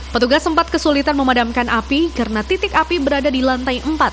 petugas sempat kesulitan memadamkan api karena titik api berada di lantai empat